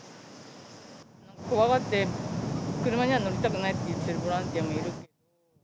怖がって、車には乗りたくないって言ってるボランティアもいる。